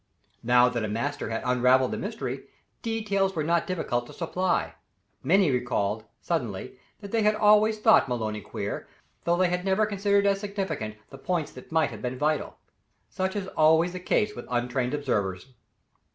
Now that a master had unravelled the mystery, details were not difficult to supply. Many recalled, suddenly, that they had always thought Maloney "queer," though they had never considered as significant the points that might have been vital. Such is always the case with untrained observers.